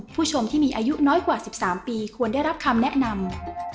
ผู้ชมที่มีอายุน้อยกว่า๑๓ปีควรได้รับคำแนะนำ